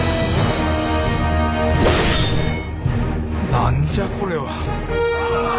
何じゃこれは。